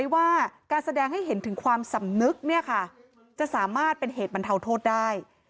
ว่าการแสดงให้เห็นถึงความสำนึกเนี่ยค่ะจะสามารถเป็นเหตุบรรเทาโทษได้